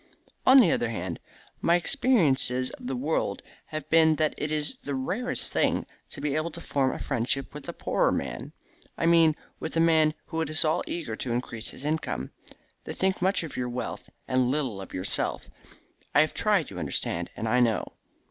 "On the other hand, my experience of the world has been that it is the rarest thing to be able to form a friendship with a poorer man I mean with a man who is at all eager to increase his income. They think much of your wealth, and little of yourself. I have tried, you understand, and I know."